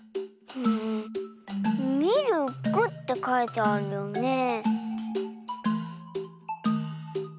「みるく」ってかいてあるよねえ。